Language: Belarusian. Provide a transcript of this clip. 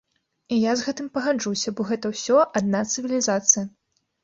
І я з гэтым пагаджуся, бо гэта ўсё адна цывілізацыя.